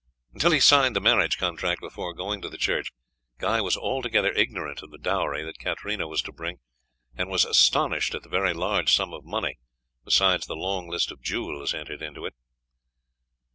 Until he signed the marriage contract before going to the church, Guy was altogether ignorant of the dowry that Katarina was to bring, and was astonished at the very large sum of money, besides the long list of jewels, entered in it.